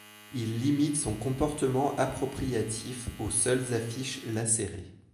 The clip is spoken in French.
Il limite son comportement appropriatif aux seules affiches lacérées.